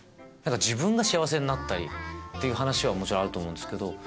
自分が幸せになったりって話はもちろんあると思うんですけど。